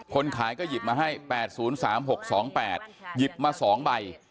คนขายก็หยิบมาให้๘๐๓๖๒๘หยิบมา๒ใบ